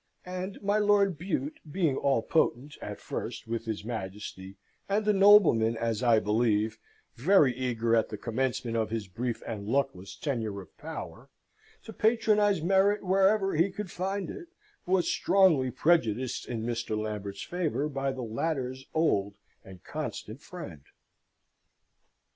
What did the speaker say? And my Lord Bute, being all potent, at first, with his Majesty, and a nobleman, as I believe, very eager at the commencement of his brief and luckless tenure of power, to patronise merit wherever he could find it, was strongly prejudiced in Mr. Lambert's favour by the latter's old and constant friend.